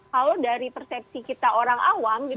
kalau dari persepsi kita orang awam